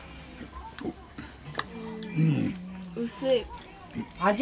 薄い。